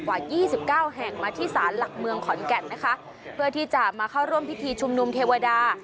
ยี่สิบเก้าแห่งมาที่ศาลหลักเมืองขอนแก่นนะคะเพื่อที่จะมาเข้าร่วมพิธีชุมนุมเทวดา